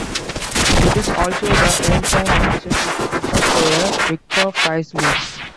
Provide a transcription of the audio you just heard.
It is also the home town of association football player Viktor Fayzulin.